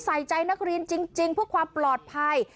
ใส่ใจนักเรียนจริงเพื่อความปลอดภัย